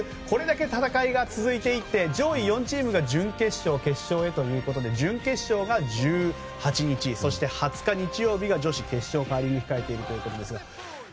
これだけ戦いが続いていって上位４チームが準決勝、決勝へということで準決勝が１８日８日が、女子カーリング決勝ということですが。